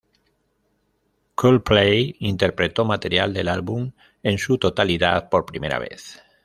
Coldplay interpretó material del álbum en su totalidad por primera vez.